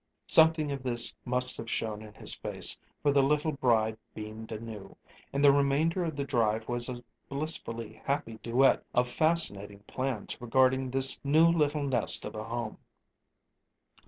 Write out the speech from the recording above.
Something of this must have shown in his face, for the little bride beamed anew, and the remainder of the drive was a blissfully happy duet of fascinating plans regarding this new little nest of a home.